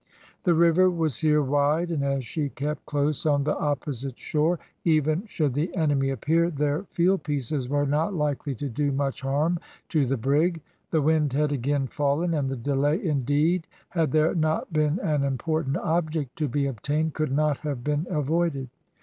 The river was here wide, and as she kept close on the opposite shore, even should the enemy appear their field pieces were not likely to do much harm to the brig. The wind had again fallen, and the delay, indeed, had there not been an important object to be obtained, could not have been avoided.